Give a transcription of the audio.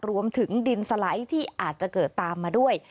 รวมถึงดินสไลด์ที่อาจจะเกิดตามมาด้วย